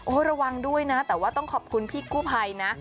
ระวังด้วยนะแต่ว่าต้องขอบคุณพี่กู้ภัยนะ